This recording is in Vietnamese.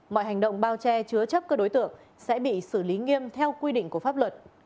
mọi hành động bao che chứa chấp các đối tượng sẽ bị xử lý nghiêm theo quy định của pháp luật